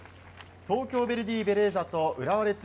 東京ヴェルディベレーザと浦和レッズ